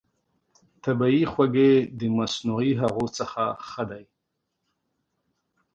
طبیعي خوږې د مصنوعي هغو څخه ښه دي.